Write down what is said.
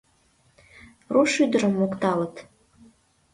Руш ӱдырым мокталыт.